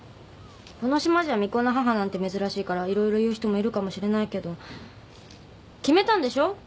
この島じゃ未婚の母なんて珍しいからいろいろ言う人もいるかもしれないけど決めたんでしょ？